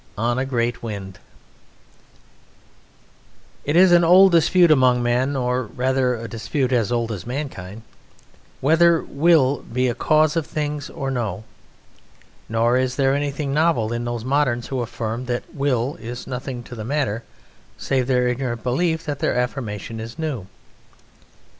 On a Great Wind It is an old dispute among men, or rather a dispute as old as mankind, whether Will be a cause of things or no; nor is there anything novel in those moderns who affirm that Will is nothing to the matter, save their ignorant belief that their affirmation is new.